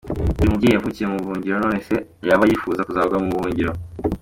Uyu mubyeyi yavukiye mu buhungiro none se yaba yifuza kuzagwa no mu buhungiro?